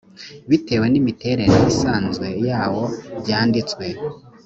bitewe n imiterere isanzwe yawo byanditswe